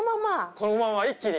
このまま一気に。